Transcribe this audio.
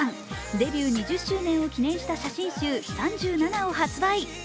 デビュー２０周年を記念した写真集「３７」を発売。